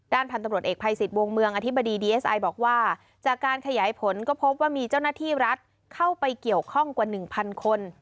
พันธุ์ตำรวจเอกภัยสิทธิ์วงเมืองอธิบดีดีเอสไอบอกว่าจากการขยายผลก็พบว่ามีเจ้าหน้าที่รัฐเข้าไปเกี่ยวข้องกว่า๑๐๐คน